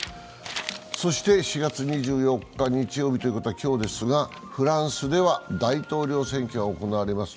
そして４月２４日日曜日ということは今日ですがフランスでは大統領選挙が行われます。